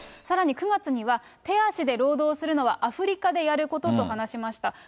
さらに９月には、手足で労働するのは、アフリカでやることと話しました。